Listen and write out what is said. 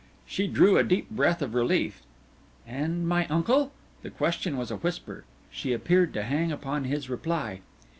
She drew a deep breath of relief. "And my uncle?" The question was a whisper. She appeared to hang upon his reply.